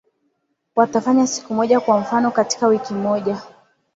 watafanya siku moja kwa mfano katika wiki moja